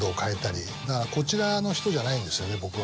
だからこちらの人じゃないんですよね僕は。